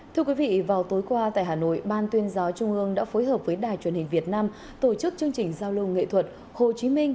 thưa quý vị vào tối qua tại hà nội ban tuyên giáo trung ương đã phối hợp với đài truyền hình việt nam tổ chức chương trình giao lưu nghệ thuật hồ chí minh